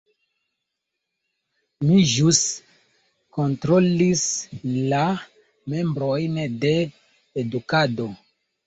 Mi ĵus kontrolis la membrojn de edukado.